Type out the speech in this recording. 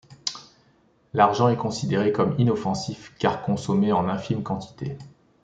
L'argent est considéré comme inoffensif car consommé en infime quantité.